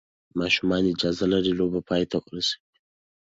ماشومان اجازه لري لوبه پای ته ورسوي.